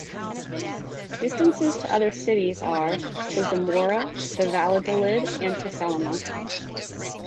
Distances to other cities are: to Zamora, to Valladolid and to Salamanca.